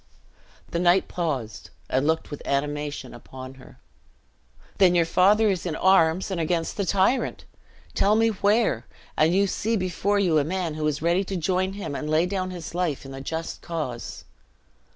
The knight paused, and looked with animation upon her. "Then your father is in arms, and against the tyrant! Tell me where, and you see before you a man who is ready to join him, and to lay down his life in the just cause!"